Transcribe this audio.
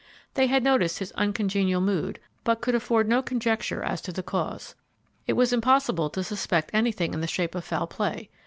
They had noticed his uncongenial mood, but could afford no conjecture as to the cause. It was impossible to suspect anything in the shape of foul play.